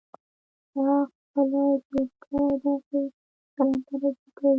دا خپله جوړ کړي داسې چلند ته رجوع کوي.